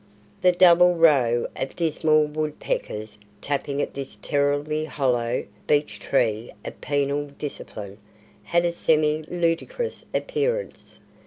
The double row of dismal woodpeckers tapping at this terribly hollow beech tree of penal discipline had a semi ludicrous appearance.